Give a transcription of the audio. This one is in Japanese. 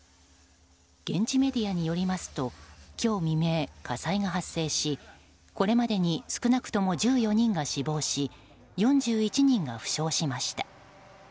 現地メディアによりますと今日未明、火災が発生しこれまでに少なくとも１４人が死亡し４１人が負傷しました。